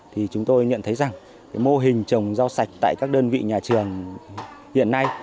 thì chúng tôi nhận thấy rằng mô hình trồng rau sạch tại các đơn vị nhà trường hiện nay